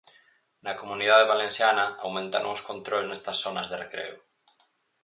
Na Comunidade Valenciana aumentaron os controis nestas zonas de recreo.